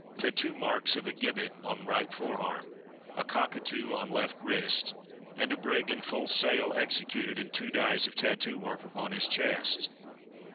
Tattoo marks of a gibbet on 72 DOCTOR SYN right forearm; a cockatoo on left wrist; and a brig in full sail executed in two dyes of tattoo work upon his chest.